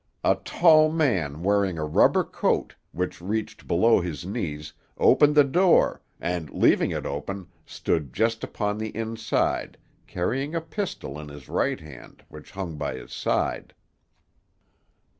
A tall man wearing a rubber coat, which reached below his knees, opened the door, and, leaving it open, stood just upon the inside, carrying a pistol in his right hand, which hung by his side.